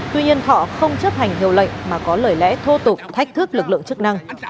tuy nhiên họ không chấp hành hiệu lệnh mà có lời lẽ thô tục thách thức lực lượng chức năng